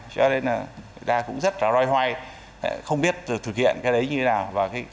cho nên người ta cũng rất loay hoay không biết thực hiện cái đấy như thế nào